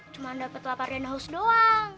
cuma dapat lapar dan haus doang